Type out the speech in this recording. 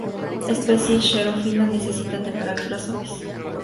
Especie xerófila, necesita temperaturas suaves.